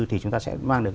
thì chúng ta sẽ mang được